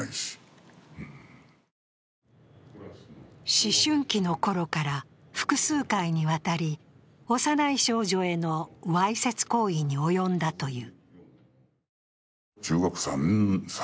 思春期の頃から複数回にわたり、幼い少女へのわいせつ行為に及んだという。